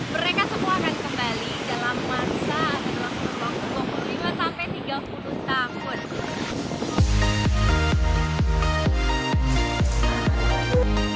mereka semua akan kembali dalam masa waktu dua puluh lima sampai tiga puluh tahun